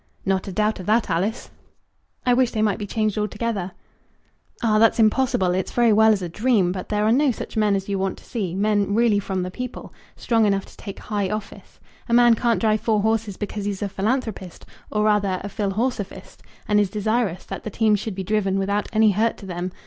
"Not a doubt of that, Alice." "I wish they might be changed altogether." "Ah! that's impossible. It's very well as a dream; but there are no such men as you want to see, men really from the people, strong enough to take high office. A man can't drive four horses because he's a philanthropist, or rather a philhorseophist, and is desirous that the team should be driven without any hurt to them.